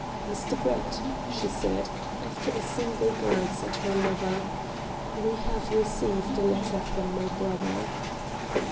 "Mr. Brett," she said, after a single glance at her lover, "we have received a letter from my brother."